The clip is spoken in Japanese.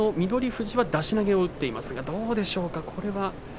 富士は出し投げを打っていますね、どうでしょうか。